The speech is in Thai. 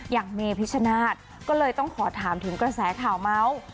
อย่างเมพิชชนาธิ์ก็เลยต้องขอถามถึงกระแสข่าวเมาส์